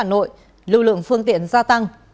lưu lượng phương tiện gia tăng